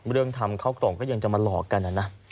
เรื่องทำเข้ากล่องก็ยังจะมาหลอกกันนะนะ